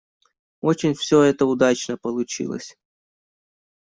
Очень все это удачно получилось.